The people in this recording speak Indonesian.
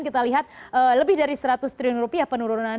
kita lihat lebih dari seratus triliun rupiah penurunan